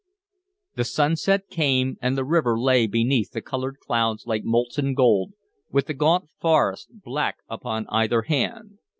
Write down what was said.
The sunset came, and the river lay beneath the colored clouds like molten gold, with the gaunt forest black upon either hand.